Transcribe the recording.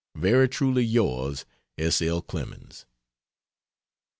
Very truly yours, S. L. CLEMENS.